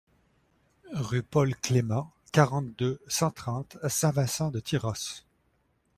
Rue Paul Clément, quarante, deux cent trente Saint-Vincent-de-Tyrosse